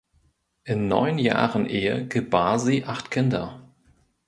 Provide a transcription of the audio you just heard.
In neun Jahren Ehe gebar sie acht Kinder.